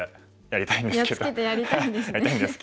やりたいんですけど。